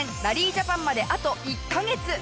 ジャパンまであと１カ月！